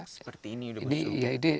seperti ini sudah busuk